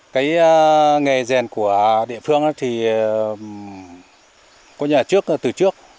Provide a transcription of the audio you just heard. cái nghề rèn của địa phương thì có nhà trước từ trước